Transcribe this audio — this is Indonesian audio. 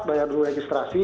bayar dulu registrasi